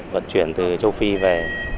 vận chuyển từ châu phi về